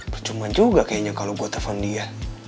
bercuma juga kayaknya kalau gue telfon dia